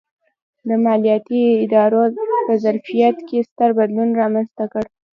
د مالیاتي ادارو په ظرفیت کې ستر بدلون رامنځته کړ.